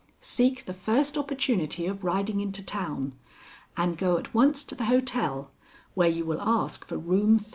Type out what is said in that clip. seek the first opportunity of riding into town and go at once to the hotel where you will ask for Room 3.